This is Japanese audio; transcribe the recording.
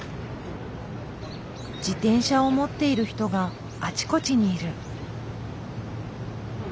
自転車を持っている人があちこちにいる。